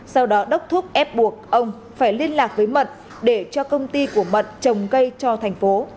sau đó đốc thuốc ép buộc ông phải liên lạc với mận để cho công ty của mận trồng cây cho thành phố